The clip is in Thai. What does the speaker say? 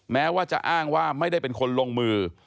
แม้ว่าจะอ้างว่าไม่ได้เป็นคนลงมือ